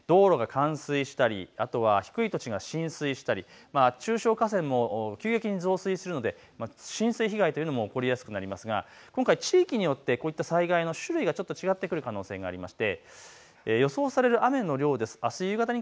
道路が冠水したり、あとは低い土地が浸水したり、中小河川も急激に増水するので浸水被害というのも起こりやすくなりますが今回、地域によってこういった災害の種類がちょっと違ってくる可能性があります。